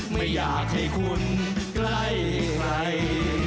ไม่อยากให้คนใกล้ใคร